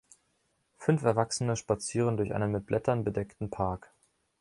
Fünf Erwachsene spazieren durch einen mit Blättern bedeckten Park.